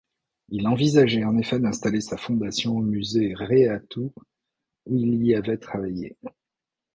Il envisageait en effet d’installer sa fondation au musée Réattu où il avait travaillé.